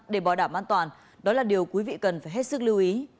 để bảo đảm an toàn đó là điều quý vị cần phải hết sức lưu ý